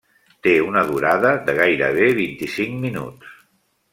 Té una durada de gairebé vint-i-cinc minuts.